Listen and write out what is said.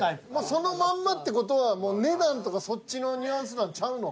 そのまんまって事は値段とかそっちのニュアンスなんちゃうの？